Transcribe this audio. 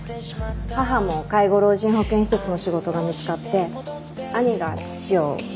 母も介護老人保健施設の仕事が見つかって兄が父を介護してくれてます。